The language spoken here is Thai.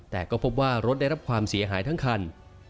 แต่ก็พบว่ารถได้รับความเสียหายทั้งคัน